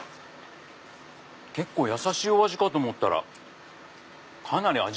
結構やさしいお味かと思ったらかなり味